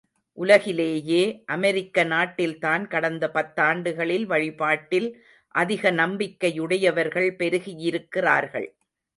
உலகிலேயே அமெரிக்க நாட்டில்தான் கடந்த பத்தாண்டுகளில் வழிபாட்டில் அதிக நம்பிக்கையுடையவர்கள் பெருகியிருக்கிறார்கள்.